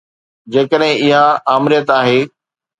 جيڪڏهن اها آمريت آهي.